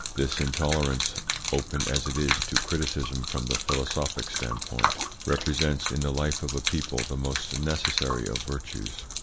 This intolerance, open as it is to criticism from the philosophic standpoint, represents in the life of a people the most necessary of virtues.